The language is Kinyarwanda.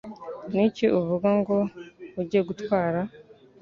Niki uvuga ngo ujye gutwara?